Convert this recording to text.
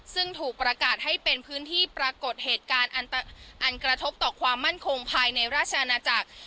ซึ่งถูกประกาศให้เป็นพื้นที่ปรากฏเหตุการณ์อันกระทบต่อความมั่นคงภายในราชอาณาจักร